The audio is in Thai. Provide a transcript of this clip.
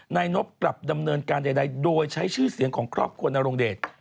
นายนบกลับดำเนินการใดโดยใช้ชื่อเสียงของครอบครัวนรงเดช